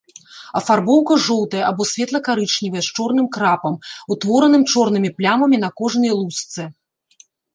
Афарбоўка жоўтая або светла-карычневая з чорным крапам, утвораным чорнымі плямамі на кожнай лусцэ.